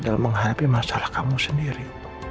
dalam menghadapi masalah kamu sendiri